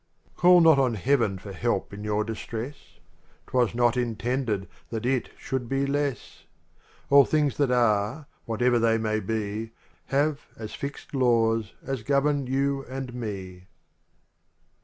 Call not on heaven for help in your distress, 'Twas not intended that it should be less ; All things that art, whatever they may be, Have as fixed laws as govern you and me.